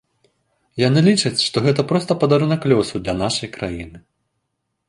Яны лічаць, што гэта проста падарунак лёсу для нашай краіны.